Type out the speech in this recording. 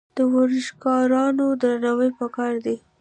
د ورزشکارانو درناوی پکار دی.